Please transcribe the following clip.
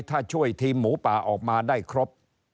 ถ้าช่วยทีมหมูป่าออกมาได้ครบ